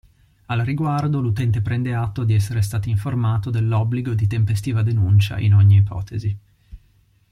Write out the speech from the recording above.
Al riguardo l'utente prende atto di essere stato informato dell'obbligo di tempestiva denuncia in ogni ipotesi.